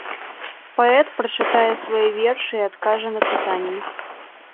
Паэт прачытае свае вершы і адкажа на пытанні.